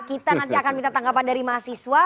kita nanti akan minta tanggapan dari mahasiswa